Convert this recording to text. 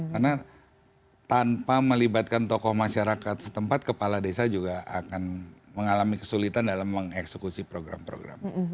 karena tanpa melibatkan tokoh masyarakat setempat kepala desa juga akan mengalami kesulitan dalam mengeksekusi program program